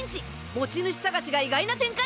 持ち主探しが意外な展開